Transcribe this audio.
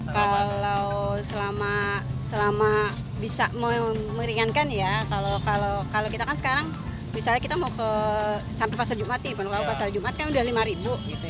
kalau bisa meringankan ya kalau kita kan sekarang misalnya kita mau sampai pasar jumat pondok labu pasar jumat kan sudah rp lima